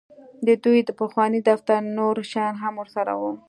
د دوی د پخواني دفتر نور شیان هم ورسره وو